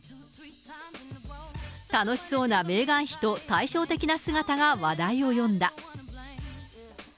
楽しそうなメーガン妃と対照的な姿が話題を呼んだ。